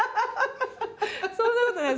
そんなことない。